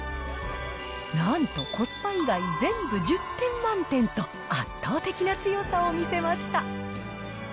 なんと、コスパ以外全部１０点満点と圧倒的な強さを見せました。